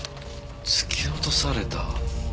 突き落とされた？